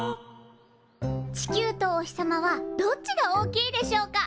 地球とお日様はどっちが大きいでしょうか？